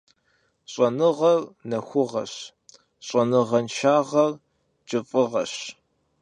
Щӏэныгъэр нэхугъэщ, щӏэныгъэншагъэр кӏыфӏыгъэщ.